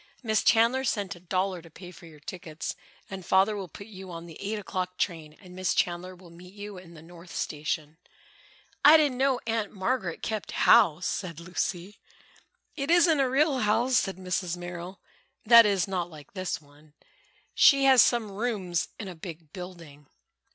"Miss Chandler sent a dollar to pay for your tickets, and Father will put you on the eight o'clock train and Miss Chandler will meet you in the North Station." "I didn't know Aunt Margaret kept house," said Lucy. "It isn't a real house," said Mrs. Merrill, "that is, not like this one. She has some rooms in a big building."